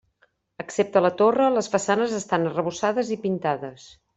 Excepte la torre, les façanes estan arrebossades i pintades.